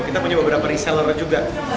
kita punya beberapa reseller juga